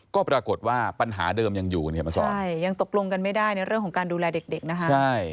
ก็ปรากฏว่าปัญหาเดิมยังอยู่ยังตกลงกันไม่ได้ในเรื่องของการดูแลเด็กนะครับ